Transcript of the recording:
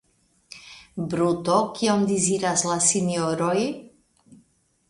Bruto, kion deziras la sinjoroj?